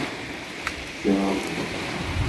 Kreḍ.